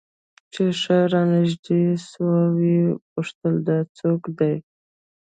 چې ښه رانژدې سوه ويې پوښتل دا څوک دى.